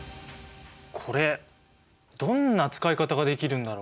これどんな使い方ができるんだろう？